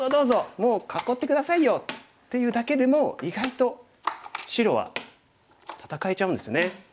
もう囲って下さいよ」っていうだけでも意外と白は戦えちゃうんですね。